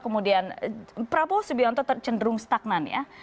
kemudian prabowo subianto tercenderung stagnan ya